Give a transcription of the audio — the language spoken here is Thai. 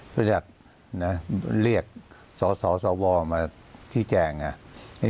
เพราะฉะนั้นเรียกสสสวมาชี้แจงอ่ะ